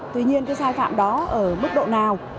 tuy nhiên cái sai phạm đó ở mức độ nào